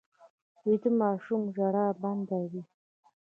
ویده ماشوم ژړا بنده وي